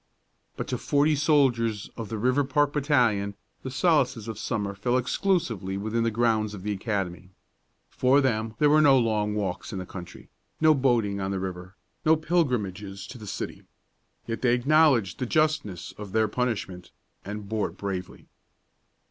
But to forty soldiers of the Riverpark battalion the solaces of summer fell exclusively within the grounds of the academy. For them there were no long walks in the country, no boating on the river, no pilgrimages to the city. Yet they acknowledged the justness of their punishment, and bore it bravely.